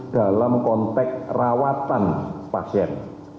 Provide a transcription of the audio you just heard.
dalam konteks rawatan pasien